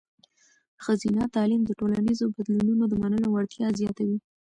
ښځینه تعلیم د ټولنیزو بدلونونو د منلو وړتیا زیاتوي.